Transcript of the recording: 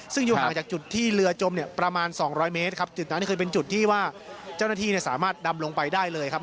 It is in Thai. ซึ่งอยู่ห่างจากจุดที่เรือจมเนี่ยประมาณสองร้อยเมตรครับจุดนั้นก็คือเป็นจุดที่ว่าเจ้าหน้าที่เนี่ยสามารถดำลงไปได้เลยครับ